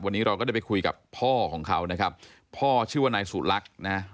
วันนี้เราก็ได้ไปคุยกับพ่อของเขานะครับพ่อชื่อว่านายสุลักษณ์นะฮะ